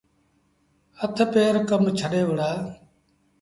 هٿ پير ڪم ڇڏي وهُڙآ۔